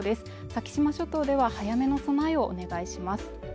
先島諸島では早めの備えをお願いします